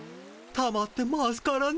たまってますからね。